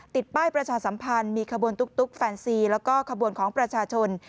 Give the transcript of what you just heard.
ติดป้ายประชาสัมพันธ์มีขบวนตุ๊กแฟนซีแล้วก็ขบวนของประชาชน